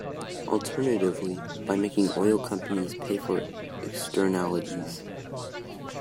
Alternatively, by making oil companies pay for externalities.